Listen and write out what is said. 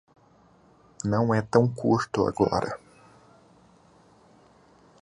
Não é tão curto agora.